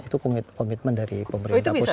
itu komitmen dari pemerintah pusat